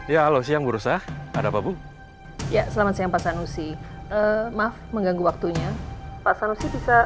dari mana lagi aku bisa dapat petunjuk